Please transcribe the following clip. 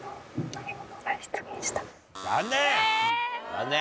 残念！